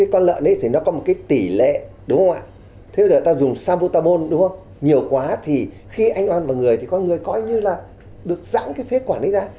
còn người thì con người coi như là được giãn cái phế quản ấy ra